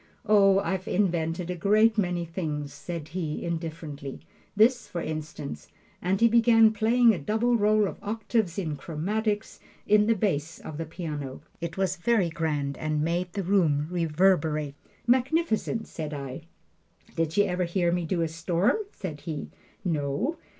"Oh, I've invented a great many things," said he, indifferently "this, for instance" and he began playing a double roll of octaves in chromatics in the bass of the piano. It was very grand and made the room reverberate. "Magnificent," said I. "Did you ever hear me do a storm?" said he. "No."